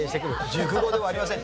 熟語ではありません。